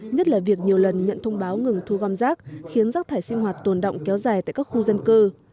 nhất là việc nhiều lần nhận thông báo ngừng thu gom rác khiến rác thải sinh hoạt tồn động kéo dài tại các khu dân cư